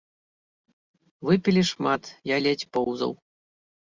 Выпілі шмат, я ледзь поўзаў.